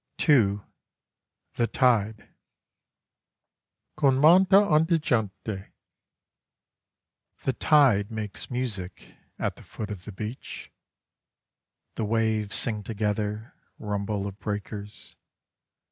(2) THE TIDE Con moto ondeggiante The tide makes music At the foot of the beach; The waves sing together Rumble of breakers.